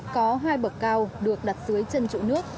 có hai bậc cao được đặt dưới chân trụ nước